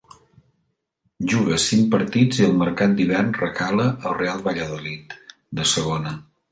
Juga cinc partits i al mercat d'hivern recala al Real Valladolid, de Segona.